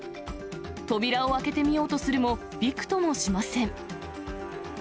扉を開けてみようとするも、びくともしません。